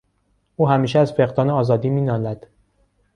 او همیشه از فقدان آزادی مینالد.